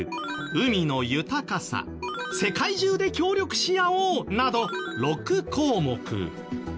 海の豊かさ世界中で協力し合おう！など６項目。